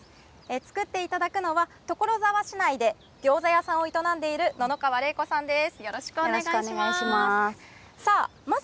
作っていただくのは、所沢市内でギョーザ屋さんを営んでいる野々川玲子さんです。